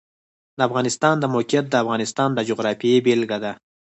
د افغانستان د موقعیت د افغانستان د جغرافیې بېلګه ده.